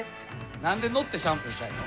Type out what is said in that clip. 何で乗ってシャンプーしたいの？